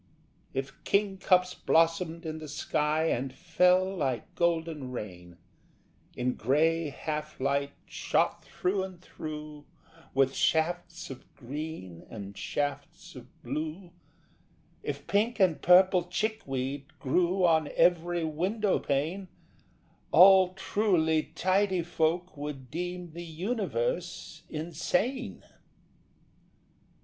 If kingcups blossomed in the sky And fell like golden rain In grey half light shot through and through With shafts of green and shafts of blue, If pink and purple chickweed grew On every window pane, All truly tidy folk would deem The universe insane.